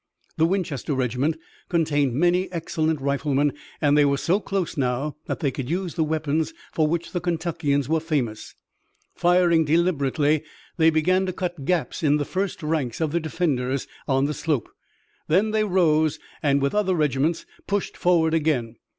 The Winchester regiment contained many excellent riflemen and they were so close now that they could use the weapons for which the Kentuckians were famous. Firing deliberately, they began to cut gaps in the first ranks of the defenders on the slope. Then they rose and with other regiments pushed forward again.